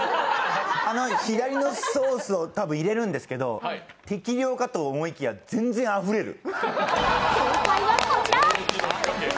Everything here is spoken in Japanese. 左のソースを多分入れるんですけど、適量かと思いきや全然あふれる。